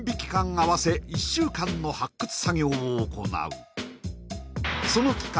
合わせ１週間の発掘作業を行うその期間